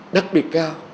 đặc biệt cao